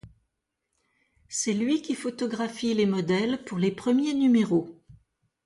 C'est lui qui photographie les modèles pour les premiers numéros.